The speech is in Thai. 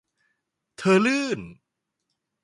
เธอลื่น